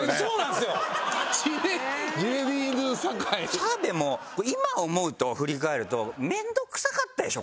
澤部も今思うと振り返ると面倒くさかったでしょ？